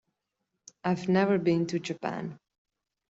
I've never been to Japan.